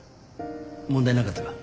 問題なかったか？